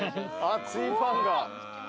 熱いファンが。